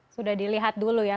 sudah dilihat dulu ya